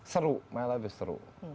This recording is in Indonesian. seru my life itu seru